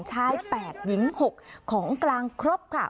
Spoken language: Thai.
ชาย๘หญิง๖ของกลางครบค่ะ